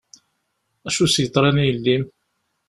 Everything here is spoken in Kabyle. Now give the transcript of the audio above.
Acu i s-yeḍran i yelli-m?